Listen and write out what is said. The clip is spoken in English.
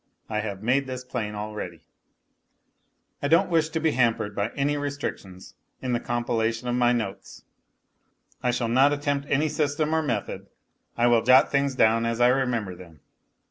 I have made this plain already. ... I don't wish to be hampered by any restrictions in the com pilation of my notes. I shall not attempt any system or method. I will jot things down as I remember them.